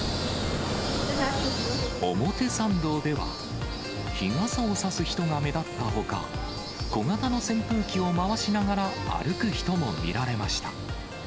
表参道では、日傘を差す人が目立ったほか、小型の扇風機を回しながら歩く人も見られました。